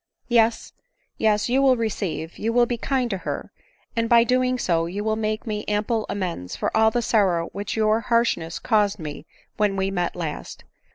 " Yes, yes, you will receive, you will be kind to her ; and by so doing you will make me ample amends for all the sorrow which your harshness caused me when we met last.